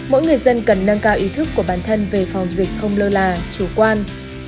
mỗi người dân cần nâng cao ý thức của bản thân về phòng dịch không lơ là chủ quan